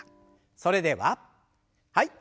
それでははい。